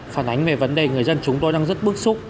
phản ánh về vấn đề người dân chúng tôi đang rất bức xúc